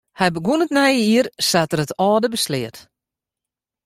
Hy begûn it nije jier sa't er it âlde besleat.